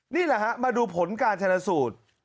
นี่แหละฮะมาดูผลการชนะสูตร